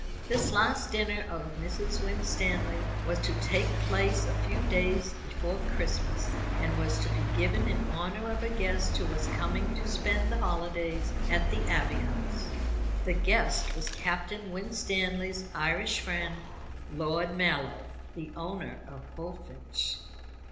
This last dinner of Mrs. Winstanley was to take place a few days before Christmas, and was to be given in honour of a guest who was coming to spend the holidays at the Abbey House. The guest was Captain Winstanley's Irish friend, Lord Mallow, the owner of Bullfinch.